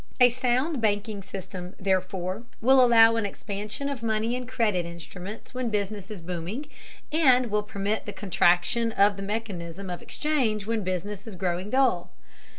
A sound banking system, therefore, will allow an expansion of money and credit instruments when business is booming, and will permit the contraction of the mechanism of exchange when business is growing dull.